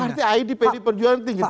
artinya id pdi perjuangan tinggi